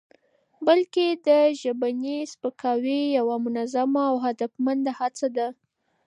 بلکې د ژبني سپکاوي یوه منظمه او هدفمنده هڅه ده؛